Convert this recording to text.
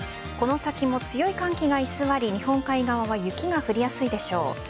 この先も強い寒気が居座り日本海側は雪が降りやすいでしょう。